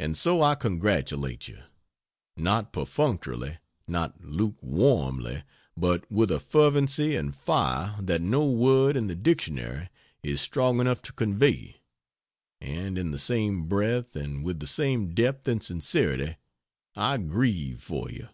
And so I congratulate you. Not perfunctorily, not lukewarmly, but with a fervency and fire that no word in the dictionary is strong enough to convey. And in the same breath and with the same depth and sincerity, I grieve for you.